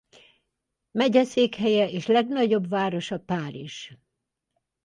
Megyeszékhelye és legnagyobb városa Paris.